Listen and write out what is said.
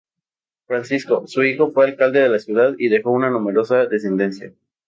Francisco, su hijo, fue Alcalde de la ciudad, y dejó una numerosa descendencia.